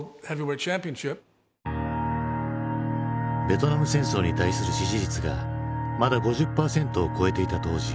ベトナム戦争に対する支持率がまだ５０％を超えていた当時。